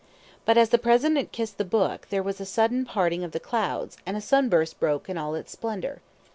But as the President kissed the book there was a sudden parting of the clouds, and a sunburst broke in all its splendor.